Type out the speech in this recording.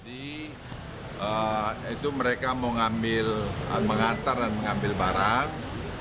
itu mereka mau ambil mengantar dan mengambil barang